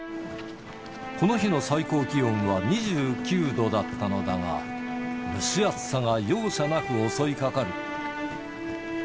この日の最高気温は２９度だったのだが、蒸し暑さが容赦なく襲いかかる。